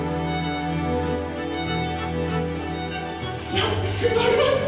やってしまいました！